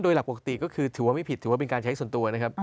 โดยหลักปกติก็คือถือว่าไม่ผิดถือว่าเป็นการใช้ส่วนตัวนะครับ